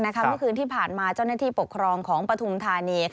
เมื่อคืนที่ผ่านมาเจ้าหน้าที่ปกครองของปฐุมธานี